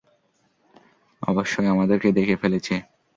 অবশ্যই আমাদেরকে দেখে ফেলেছে।